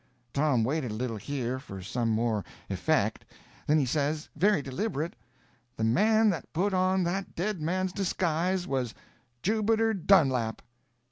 Tom waited a little here, for some more "effect"—then he says, very deliberate: "The man that put on that dead man's disguise was—_Jubiter Dunlap!